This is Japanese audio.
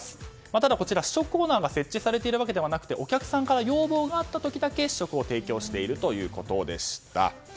ただこちら、試食コーナーが設置されているわけではなくてお客さんから要望があった時だけ提供しているということでした。